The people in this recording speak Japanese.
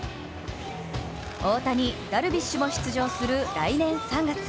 大谷、ダルビッシュも出場する来年３月。